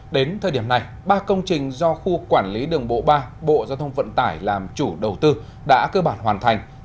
đến thời điểm này ba công trình do khu quản lý đường bộ ba bộ giao thông vận tải làm chủ đầu tư đã cơ bản hoàn thành